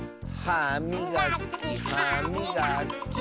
はみがき！